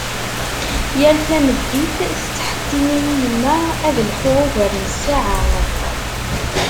Yal tameddit tettḥettim-iyi yemma ad lḥuɣ ugar n ssaɛa.